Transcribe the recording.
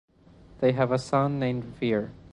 They have a son named Veer.